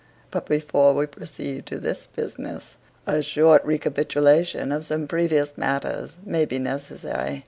But before we proceed to this business, a short recapitulation of some previous matters may be necessary.